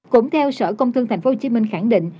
cũng theo sở công thương tp hcm khẳng định